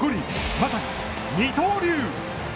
まさに二刀流！